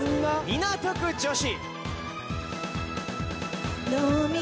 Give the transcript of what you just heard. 「港区女子」